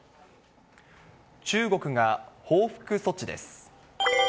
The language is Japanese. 中国が報復措置です。